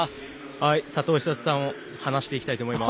佐藤寿人さんを離していきたいと思います。